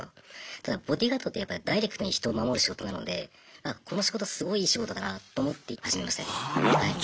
ただボディーガードってダイレクトに人を守る仕事なのでこの仕事すごいいい仕事だなと思って始めましたね。